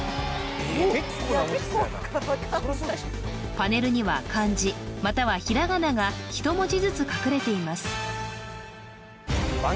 パネルには漢字またはひらがなが１文字ずつ隠れています